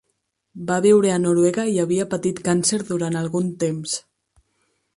Va viure a Noruega i havia patit càncer durant algun temps.